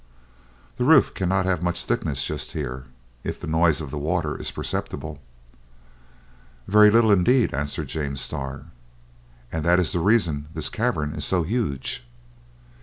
"The roof cannot have much thickness just here, if the noise of the water is perceptible." "Very little indeed," answered James Starr, "and that is the reason this cavern is so huge."